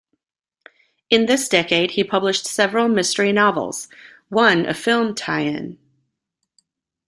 In this decade he published several mystery novels, one a film tie-in.